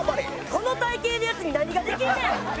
この体形のヤツに何ができんねん！